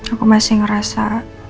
aku masih ngerasa